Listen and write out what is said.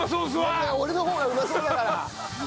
いやいや俺の方がうまそうだから！